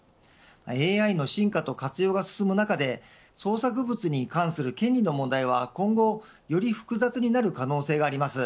ＡＩの進化と活用が進む中で創作物に関する権利の問題は今後より複雑になる可能性があります。